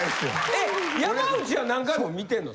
えっ山内は何回も見てんの？